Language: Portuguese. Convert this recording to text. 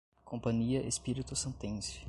Companhia Espíritossantense